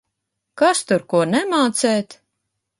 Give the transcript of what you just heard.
Kas tur ko nemācēt?!